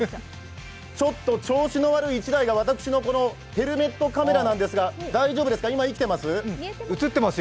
ちょっと調子の悪い１台が私のヘルメットカメラなんですが大丈夫ですか、今、生きてます？